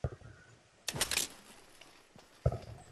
দ্বিতীয় ঘটনাঃ জনপদসমূহকে ক্রুসেড আক্রমণের প্রভাবমুক্ত করা।